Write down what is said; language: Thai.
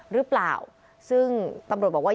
หรือเปล่าซึ่งตำรวจบอกว่า